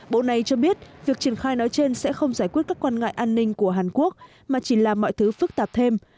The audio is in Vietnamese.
bộ này cho biết việc triển khai nói trên sẽ không giải quyết các quan ngại an ninh của hàn quốc mà chỉ là mọi thứ phức tạp thêm